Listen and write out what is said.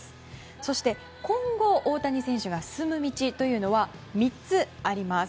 そして、今後大谷選手が進む道というのは３つあります。